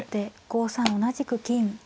後手５三同じく金。